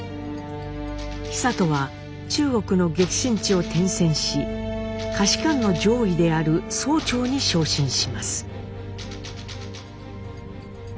久渡は中国の激戦地を転戦し下士官の上位である曹長に昇進します。